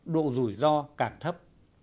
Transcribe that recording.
độ rủi ro càng thấp